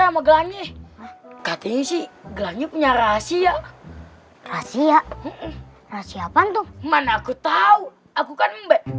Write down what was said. sama gelangnya katanya sih gelangnya punya rahasia rahasia rahasia mana aku tahu aku kan